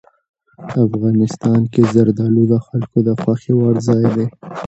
افغانستان کې زردالو د خلکو د خوښې وړ ځای دی.